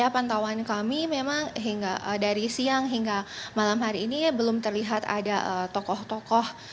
pantauan kami memang dari siang hingga malam hari ini belum terlihat ada tokoh tokoh